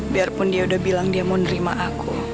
biarpun dia udah bilang dia mau nerima aku